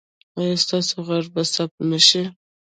ایا ستاسو غږ به ثبت نه شي؟